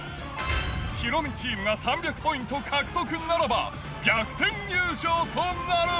ヒロミチームが３００ポイント獲得ならば、逆転優勝となる。